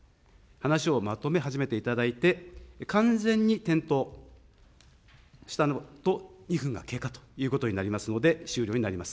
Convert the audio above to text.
話をまとめ始めていただいて、完全に点灯すると２分が経過ということになりますので、終了になります。